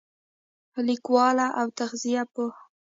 لیکواله او تغذیه پوهه